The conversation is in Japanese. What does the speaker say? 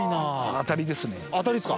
当たりですか？